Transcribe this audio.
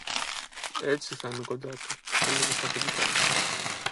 Έτσι θα είμαι κοντά του, έλεγε στ' αφεντικά